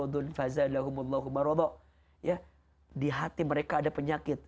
di hati mereka ada penyakit